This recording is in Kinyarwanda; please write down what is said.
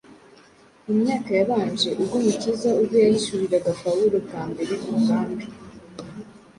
Mu myaka yabanje ubwo Umukiza ubwe yahishuriraga Pawulo bwa mbere umugambi